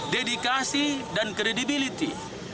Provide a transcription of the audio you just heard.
dedikasi dan kredibiliti